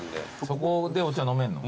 そこでお茶飲めんの？